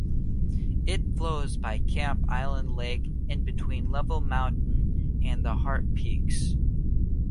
It flows by Camp Island Lake and between Level Mountain and the Heart Peaks.